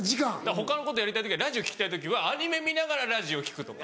他のことやりたい時はラジオ聴きたい時はアニメ見ながらラジオ聴くとか。